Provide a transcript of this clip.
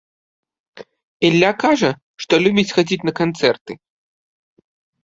Ілля кажа, што любіць хадзіць на канцэрты.